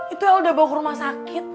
itu yang udah bawa ke rumah sakit